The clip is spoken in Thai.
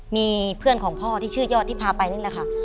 มีเพื่อนของพ่อที่ชื่อยอดที่พาไปนั่นแหละค่ะ